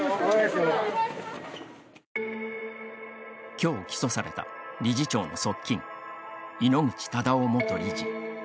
きょう、起訴された理事長の側近井ノ口忠男元理事。